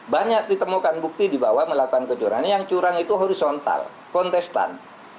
banyak ditemukan bukti di bawah melakukan kecurangan yang curang itu horizontal kontestan